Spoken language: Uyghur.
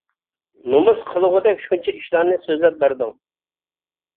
-نومۇس قىلغۇدەك شۇنچە ئىشلارنى سۆزلەپ بەردىڭ.